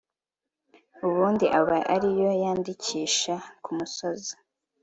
ubundi aba ari yo yandikisha ku musozi